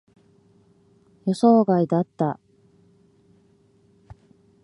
予想外だった。